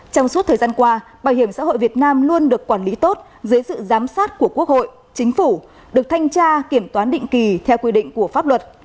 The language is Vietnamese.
trong suốt thời gian qua bảo hiểm xã hội việt nam luôn được quản lý tốt dưới sự giám sát của quốc hội chính phủ được thanh tra kiểm toán định kỳ theo quy định của pháp luật